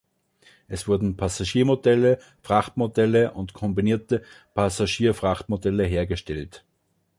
Es wurden Passagiermodelle, Frachtmodelle und kombinierte Passagier-Frachtmodelle hergestellt.